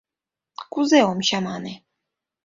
Кузе ом чамане?